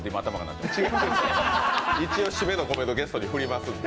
一応、シメのコメントをゲストに振りますので。